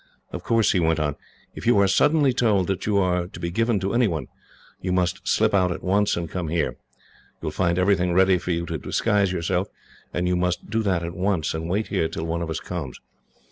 "Of course," he went on, "if you are suddenly told that you are to be given to any one, you must slip out at once, and come here. You will find everything ready for you to disguise yourself, and you must do that at once, and wait here till one of us comes.